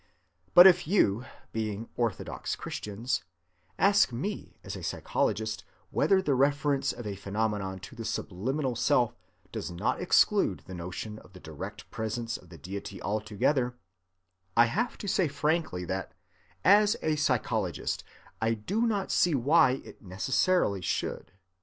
But if you, being orthodox Christians, ask me as a psychologist whether the reference of a phenomenon to a subliminal self does not exclude the notion of the direct presence of the Deity altogether, I have to say frankly that as a psychologist I do not see why it necessarily should.